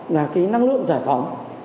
là cái năng lượng giải phóng